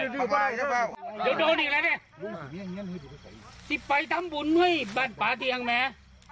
เดี๋ยวโดนอีกแล้วเนี่ยที่ไปทำบุญให้บ้านป่าเตียงแม้